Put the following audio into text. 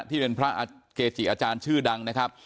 ที่เป็นพระเกจิอาจารย์ชื่อดังนะครับ